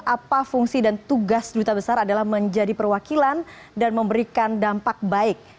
apa fungsi dan tugas duta besar adalah menjadi perwakilan dan memberikan dampak baik